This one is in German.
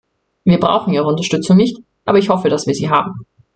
Wir brauchen Ihre Unterstützung nicht, aber ich hoffe, dass wir sie haben.